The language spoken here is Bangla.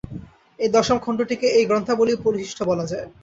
এই দশম খণ্ডটিকে এই গ্রন্থাবলীর পরিশিষ্ট বলা যায়।